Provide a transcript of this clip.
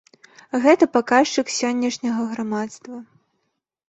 Гэта паказчык сённяшняга грамадства.